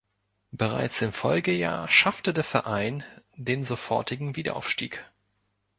Bereits im Folgejahr schaffte der Verein den sofortigen Wiederaufstieg.